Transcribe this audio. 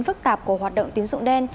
phức tạp của hoạt động tín dụng đen